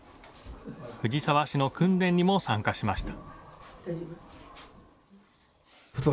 藤沢市の訓練にも参加しました。